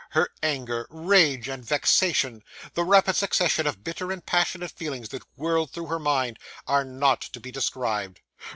Her anger, rage, and vexation; the rapid succession of bitter and passionate feelings that whirled through her mind; are not to be described.